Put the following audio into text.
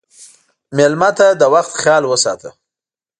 مېلمه ته د وخت خیال وساته.